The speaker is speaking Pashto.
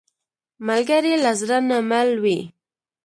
ملګری له زړه نه مل وي